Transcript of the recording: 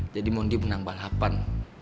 jadi mon dia menang balapan